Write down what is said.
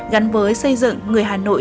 gắn với xây dựng người hà nội